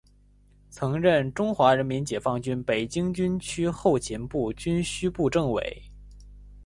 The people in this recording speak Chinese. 曾任中国人民解放军北京军区后勤部军需部政委。